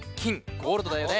ゴールドだよね。